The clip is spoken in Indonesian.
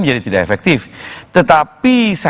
menjadi tidak efektif tetapi